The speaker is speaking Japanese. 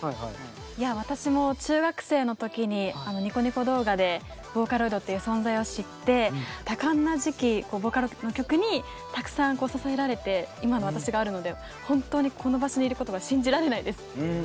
いや私も中学生の時にあのニコニコ動画でボーカロイドっていう存在を知って多感な時期ボカロ曲の曲にたくさんこう支えられて今の私があるので本当にこの場所にいることが信じられないです。